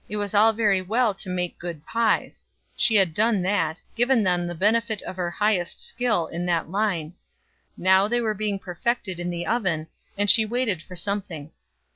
It was all very well to make good pies; she had done that, given them the benefit of her highest skill in that line now they were being perfected in the oven, and she waited for something.